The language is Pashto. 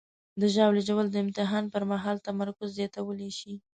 د ژاولې ژوول د امتحان پر مهال تمرکز زیاتولی شي.